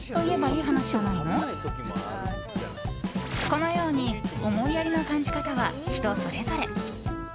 このように思いやりの感じ方は人それぞれ。